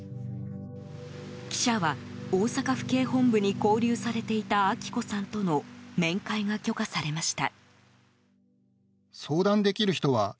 記者は大阪府警本部に勾留されていた明子さんとの面会が許可されました。